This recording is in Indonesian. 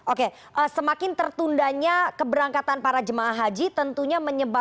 oke oke semakin tertundanya keberangkatan para jemaah haji tentunya menyebabkan antrian yang menumpuk begitu pak